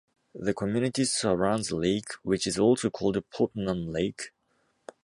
The community surrounds a lake, which is also called Putnam Lake.